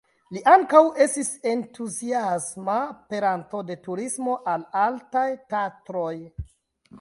Li ankaŭ estis entuziasma peranto de turismo en Altaj Tatroj.